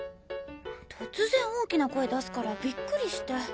突然大きな声出すからビックリして。